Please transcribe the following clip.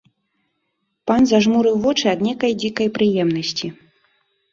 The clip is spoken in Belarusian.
Пан зажмурыў вочы ад нейкай дзікай прыемнасці.